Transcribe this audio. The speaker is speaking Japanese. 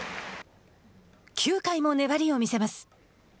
９回も粘りを見せます。